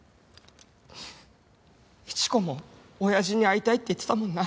イチ子も親父に会いたいって言ってたもんな。